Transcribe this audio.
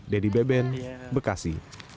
dedy beben bekasi